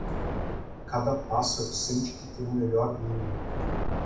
Cada pássaro sente que tem o melhor ninho.